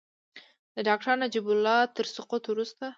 د ډاکټر نجیب الله تر سقوط وروسته.